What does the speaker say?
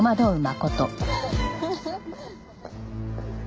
フフ。